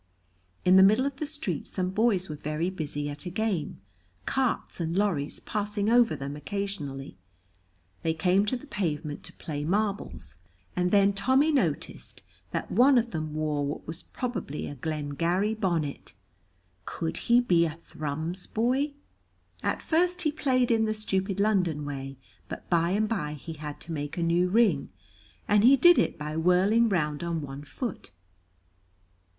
In the middle of the street some boys were very busy at a game, carts and lorries passing over them occasionally. They came to the pavement to play marbles, and then Tommy noticed that one of them wore what was probably a glengarry bonnet. Could he be a Thrums boy? At first he played in the stupid London way, but by and by he had to make a new ring, and he did it by whirling round on one foot.